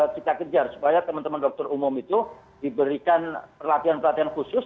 kita kejar supaya teman teman dokter umum itu diberikan pelatihan pelatihan khusus